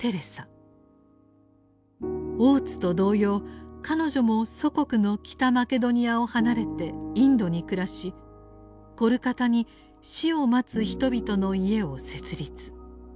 大津と同様彼女も祖国の北マケドニアを離れてインドに暮らしコルカタに「死を待つ人々の家」を設立。